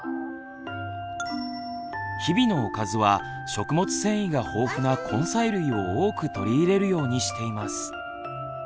日々のおかずは食物繊維が豊富な根菜類を多く取り入れるようにしています。